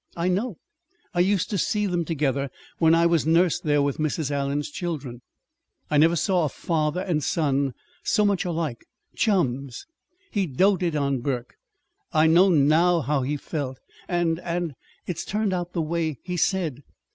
I know I used to see them together, when I was nurse there with Mrs. Allen's children. I never saw a father and son so much like chums. He doted on Burke. I know now how he felt. And and it's turned out the way he said.